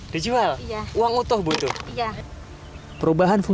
dicual uang utuh ibu itu